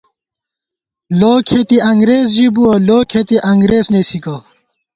لو کھېتی انگرېز ژِبُوَہ ، لو کھېتی انگرېز نېسی گہ